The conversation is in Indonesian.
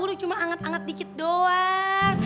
aduh cuma anget anget dikit doang